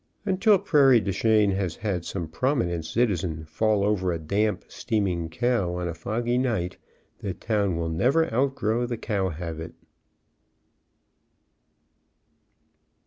Until Prairie du Chien has had some prominent citizen fall over a damp, steam ing cow, on a foggy night, the town will never out grow the cow habit.